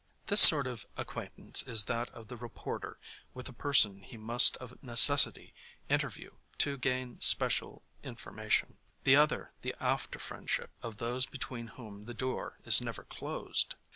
This sort of acquaintance is that of the reporter with the person he must of necessity interview to gain special information, the other the after friend ship of those between whom the door is never closed.